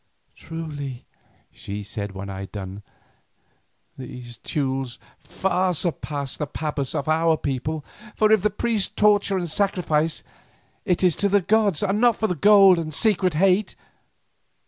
"Truly," she said when I had done, "these Teules far surpass the pabas of our people, for if the priests torture and sacrifice, it is to the gods and not for gold and secret hate.